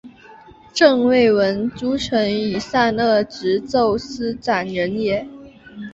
朕未闻诸臣以善恶直奏斯断人也！